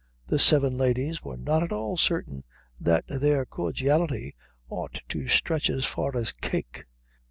The seven ladies were not at all certain that their cordiality ought to stretch as far as cake.